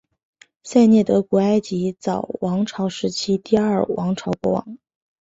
塞涅德古埃及早王朝时期第二王朝国王。